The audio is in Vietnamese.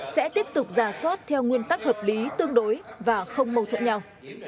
sẽ tiếp tục giả soát theo nguyên tắc hợp lý tương đối và không mâu thuẫn nhau